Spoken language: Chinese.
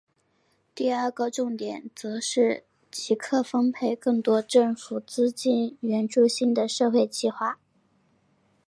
第二个重点则是即刻分配更多政府资金援助新的社会计画。